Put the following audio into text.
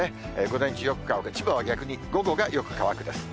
午前中よく乾く、千葉は逆に午後がよく乾くです。